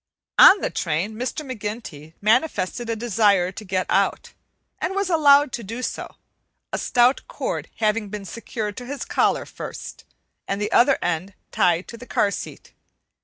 On the train Mr. McGinty manifested a desire to get out, and was allowed to do so, a stout cord having been secured to his collar first, and the other end tied to the car seat.